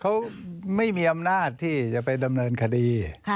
เขาไม่มีอำนาจที่จะไปดำเนินคดี